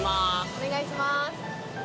お願いします。